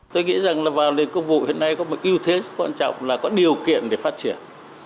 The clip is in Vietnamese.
tôi nghĩ rằng là vào nền công vụ hiện nay có một ưu thế quan trọng là có điều kiện để phát triển